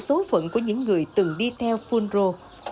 số phận của những người từng đi theo phun rô